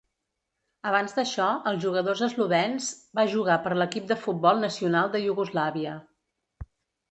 Abans d'això, els jugadors eslovens va jugar per l'equip de futbol nacional de Iugoslàvia.